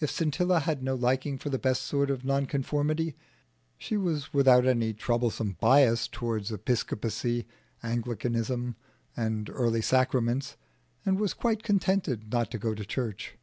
If Scintilla had no liking for the best sort of nonconformity, she was without any troublesome bias towards Episcopacy, Anglicanism, and early sacraments, and was quite contented not to go to church.